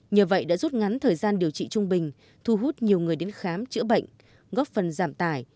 nhờ vậy đã rút ngắn thời gian điều trị trung bình thu hút nhiều người đến khám chữa bệnh góp phần giảm tài